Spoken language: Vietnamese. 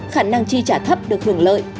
khả năng chi trả thấp được hưởng lợi